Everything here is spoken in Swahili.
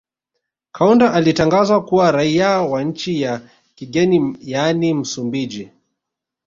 Kaunda alitangazwa kuwa raia wa nchi ya kigeni yaani Msumbiji